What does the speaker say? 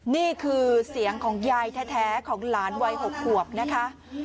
นี่คือเสียงของยายแท้ของหลานวัย๖ขวบนะคะ